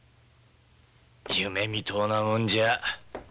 夢みとうなもんじゃ。